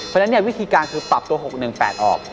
เพราะฉะนั้นวิธีการคือปรับตัว๖๑๘ออก